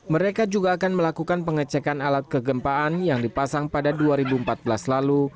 mereka juga akan melakukan pengecekan alat kegempaan yang dipasang pada dua ribu empat belas lalu